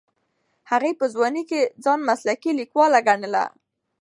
هغې په ځوانۍ کې ځان مسلکي لیکواله ګڼله.